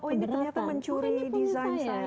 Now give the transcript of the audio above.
oh ini ternyata mencuri desain saya